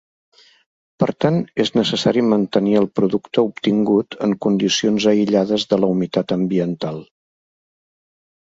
Per tant, és necessari mantenir el producte obtingut en condicions aïllades de la humitat ambiental.